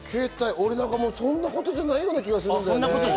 俺、そんなことじゃないような気がするんだけどね。